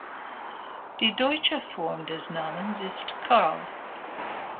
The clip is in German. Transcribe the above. Die deutsche Form des Namens ist Karl.